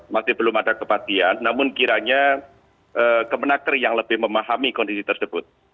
masih belum ada kematian namun kiranya kemenaker yang lebih memahami kondisi tersebut